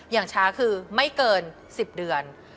อย่างช้าคือไม่เกิน๑๐เดือน